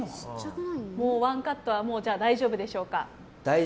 もうワンカットは大丈夫でしょうか。